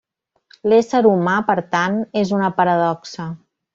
L'ésser humà, per tant, és una paradoxa.